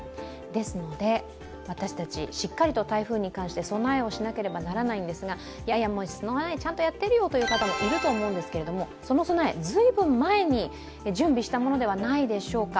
ですので私たち、しっかりと台風に関して備えをしなければいけないんですがいやいや、ちゃんとやっているよという人もいると思うんですがその備え、随分前に準備したものではないでしょうか。